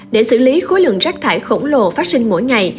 để xử lý khối lượng rác thải khổng lồ phát sinh mỗi ngày